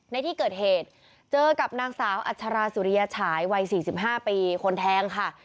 ในที่เกิดเหตุเจอกับนางสาวอัชราสุริยฉายวัย๔๕ปีคนแทงค่ะ